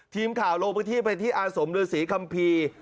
ทีมข่าวโรคพิธีพัฒนาที่อาสมดินศรีคัมภีร์